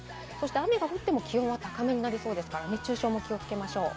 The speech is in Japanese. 雨が降っても気温は高めになりそうですので熱中症に気をつけましょう。